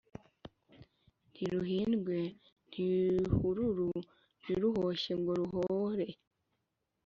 Ntiruhindwe ntihururu ntiruhoshe ngo ruhore